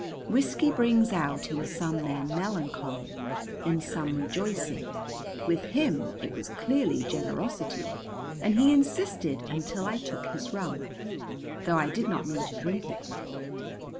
Whiskey brings out in some men melancholy, in some rejoicing, with him it was clearly generosity and he insisted until I took his rum, though I did not mean to drink it.